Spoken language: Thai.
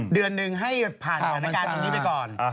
เดือนหนึ่งให้ผ่านสถานการณ์ตรงนี้ไปก่อน